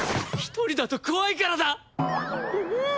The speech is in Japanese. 一人だと怖いからだ！